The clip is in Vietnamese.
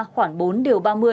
khoản bốn điều ba mươi